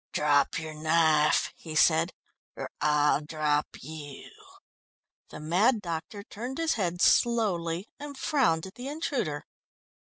"Drop your knife," he said, "or I'll drop you." The mad doctor turned his head slowly and frowned at the intruder.